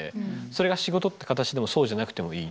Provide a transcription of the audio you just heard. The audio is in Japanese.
それが仕事って形でもそうじゃなくてもいい。